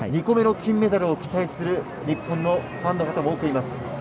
２個目の金メダルを期待する日本のファンの方も多くいます。